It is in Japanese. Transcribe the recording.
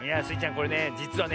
これねじつはね